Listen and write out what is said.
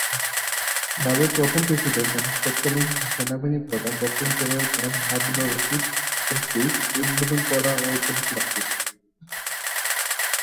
ক্লাবের প্রথম প্রেসিডেন্ট এবং তৎকালীন সেনাবাহিনী প্রধান লেফটেন্যান্ট জেনারেল এম হারুন-অর-রশিদ কর্তৃক উদ্বোধন হয়েছিল ক্লাবটির।